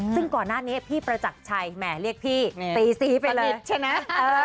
ซึ่งก่อนหน้านี้พี่ประจักรชัยแหมเรียกพี่ตีซีไปเลยใช่ไหม